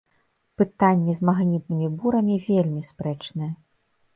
Пытанне з магнітнымі бурамі вельмі спрэчнае.